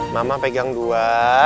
mama pegang dua